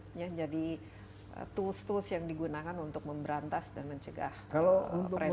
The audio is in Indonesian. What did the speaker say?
istilahnya jadi tools tools yang digunakan untuk memberantas dan mencegah peredaran agrobaik